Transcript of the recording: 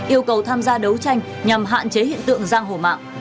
yêu cầu tham gia đấu tranh nhằm hạn chế hiện tượng giang hổ mạng